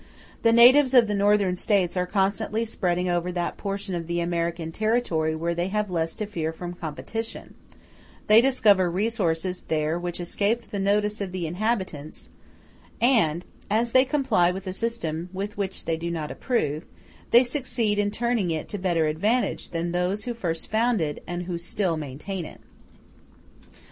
The natives of the Northern States are constantly spreading over that portion of the American territory where they have less to fear from competition; they discover resources there which escaped the notice of the inhabitants; and, as they comply with a system which they do not approve, they succeed in turning it to better advantage than those who first founded and who still maintain it.